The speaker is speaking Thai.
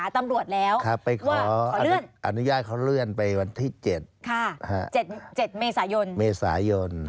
ตำรวจแล้วไปขออนุญาตเขาเลื่อนไปวันที่๗๗เมษายนเมษายน